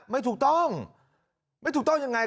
ไม่ถูกต้องไม่ถูกต้องยังไง